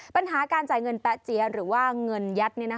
ปัญหาการจ่ายเงินแป๊ะเจี๊ยะหรือว่าเงินยัด